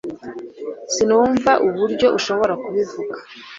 Sinumva uburyo ushobora kubivuga.